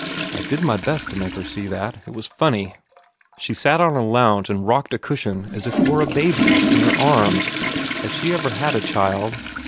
I did my best to make her see that. It was funny .... She sat on a lounge and rocked a cushion as if it were a baby in her arms Has she ever had a child?"